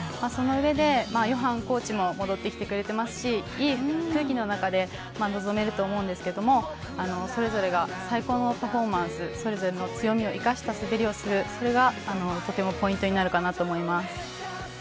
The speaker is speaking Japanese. そのうえでヨハンコーチも戻ってきてくれていますしいい空気の中で臨めると思うんですけどもそれぞれが最高のパフォーマンスそれぞれの強みを生かした滑りをするそれがポイントになるかなと思います。